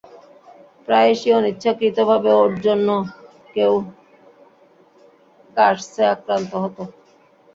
প্রায়শই অনিচ্ছাকৃতভাবে ওর অন্য কেউ কার্সে আক্রান্ত হতো।